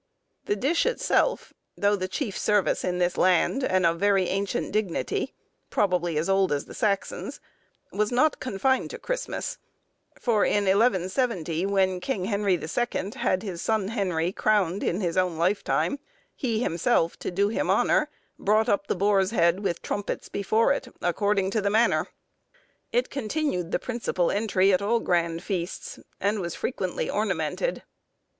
The dish itself, though the "chief service in this land," and of very ancient dignity—probably as old as the Saxons,—was not confined to Christmas; for, in 1170, when King Henry the Second had his son Henry crowned in his own lifetime, he himself, to do him honour, brought up the boar's head with trumpets before it, "according to the manner." It continued the principal entry at all grand feasts, and was frequently ornamented.